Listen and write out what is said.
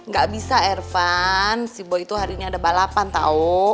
gak bisa irvan si boy itu hari ini ada balapan tau